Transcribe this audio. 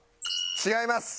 違います！